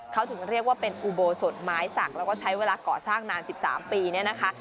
เขาถึงเรียกว่าเป็นอุโบสถไม้สักแล้วก็ใช้เวลาก่อสร้างนาน๑๓ปีเนี่ยนะคะ